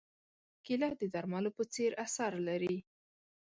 کېله د درملو په څېر اثر لري.